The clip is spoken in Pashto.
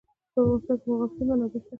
په افغانستان کې د مورغاب سیند منابع شته.